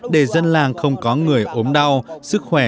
để dân làng không có người ốm đau sức khỏe